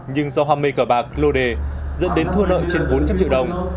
nhưng do hoa mê cờ bạc lô đề dẫn đến thua lợi trên bốn trăm linh triệu đồng